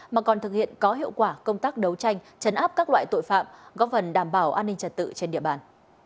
mà còn thực hiện có hiệu quả công tác đấu tranh chấn áp các loại tội phạm góp phần đảm bảo an ninh trật tự trên địa bàn